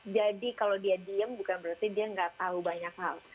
jadi kalau dia diem bukan berarti dia gak tahu banyak hal